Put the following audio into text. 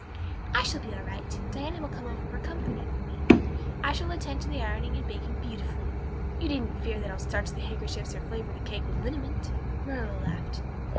"I shall be all right. Diana will come over for company for me. I shall attend to the ironing and baking beautifully you needn't fear that I'll starch the handkerchiefs or flavor the cake with liniment." Marilla laughed.